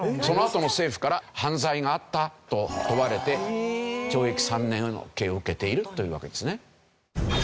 そのあとも政府から犯罪があったと問われて懲役３年の刑を受けているというわけですね。